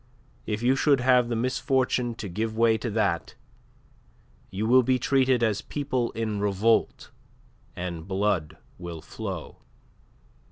If you should have the misfortune to give way to that, you will be treated as people in revolt, and blood will flow."